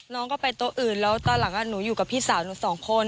น้องก็ไปโต๊ะอื่นแล้วตอนหลังหนูอยู่กับพี่สาวหนูสองคน